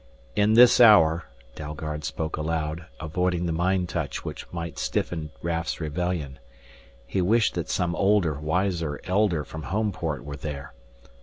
"In this hour," Dalgard spoke aloud, avoiding the mind touch which might stiffen Raf's rebellion. He wished that some older, wiser Elder from Homeport were there.